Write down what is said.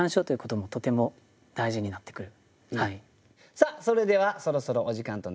さあそれではそろそろお時間となりました。